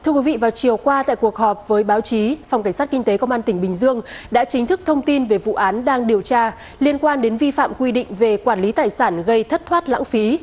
thưa quý vị vào chiều qua tại cuộc họp với báo chí phòng cảnh sát kinh tế công an tỉnh bình dương đã chính thức thông tin về vụ án đang điều tra liên quan đến vi phạm quy định về quản lý tài sản gây thất thoát lãng phí